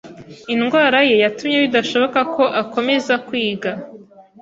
Indwara ye yatumye bidashoboka ko akomeza kwiga.